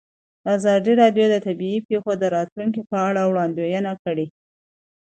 ازادي راډیو د طبیعي پېښې د راتلونکې په اړه وړاندوینې کړې.